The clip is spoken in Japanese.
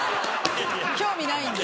興味ないんだ。